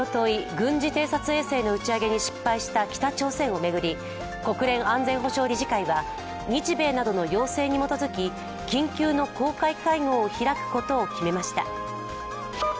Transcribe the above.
軍事偵察衛星の打ち上げに失敗した北朝鮮を巡り国連安全保障理事会は、日米などの要請に基づき緊急の公開会合を開くことを決めました。